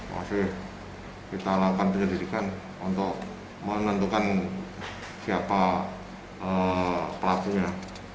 masih kita lakukan penyelidikan untuk menentukan siapa pelakunya